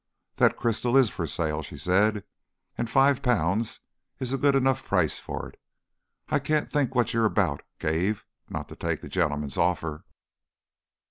"That crystal is for sale," she said. "And five pounds is a good enough price for it. I can't think what you're about, Cave, not to take the gentleman's offer!"